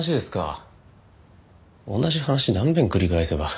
同じ話何遍繰り返せば。